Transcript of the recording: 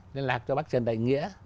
liên lạc cho bác trần đại nghĩa